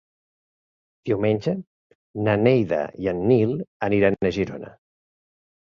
Diumenge na Neida i en Nil aniran a Girona.